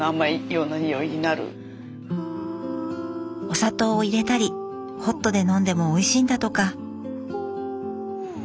お砂糖を入れたりホットで飲んでもおいしいんだとか。